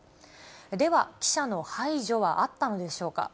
では、記者の排除はあったのでしょうか。